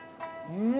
うん！